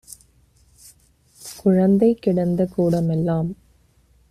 குழந்தை கிடந்த கூட மெல்லாம்